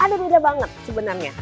ada beda banget sebenarnya